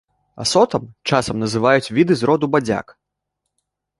Асотам часам называюць віды з роду бадзяк.